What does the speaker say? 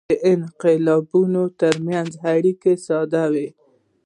د انقلابونو ترمنځ اړیکه ساده وه.